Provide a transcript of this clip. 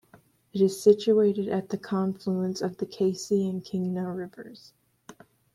It is situated at the confluence of the Keisie and Kingna rivers.